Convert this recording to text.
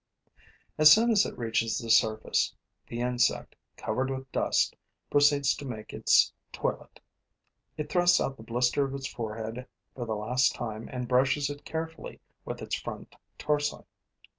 As soon as it reaches the surface, the insect, covered with dust, proceeds to make its toilet. It thrusts out the blister of its forehead for the last time and brushes it carefully with its front tarsi.